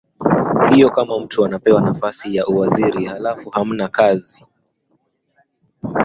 hiyo kama mtu anapewa nafasi ya uwaziri halafu hamna kazi